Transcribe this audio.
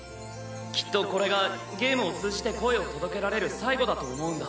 きっとこれがゲームを通じて声を届けられる最後だと思うんだ。